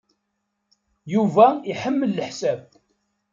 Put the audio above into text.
Yuba iḥemmel leḥsab.